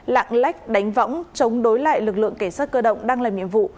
lạng lách đánh võng chống đối lại lực lượng cảnh sát cơ động đang làm nhiệm vụ